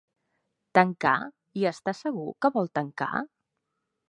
Tancar? i Està segur que vol tancar?